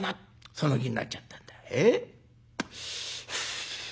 その気になっちゃったんだ」。